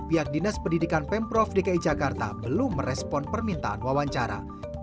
pihak dinas pendidikan pemprov dki jakarta belum merespon permintaan wawancara